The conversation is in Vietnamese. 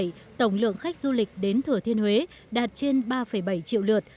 năm hai nghìn một mươi bảy tổng lượng khách du lịch đến thừa thiên huế đạt trên ba bảy triệu lượt